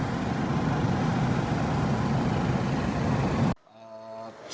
setelah perjalanan ke gunung anak rakatau